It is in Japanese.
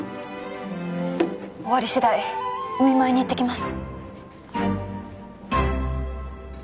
終わりしだいお見舞いに行ってきます